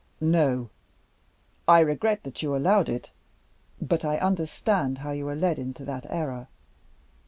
"No. I regret that you allowed it; but I understand how you were led into that error.